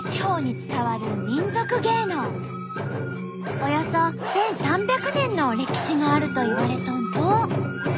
およそ１，３００年の歴史があるといわれとんと。